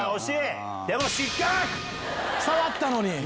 触ったのに。